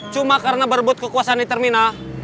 cuma karena berebut kekuasaan di terminal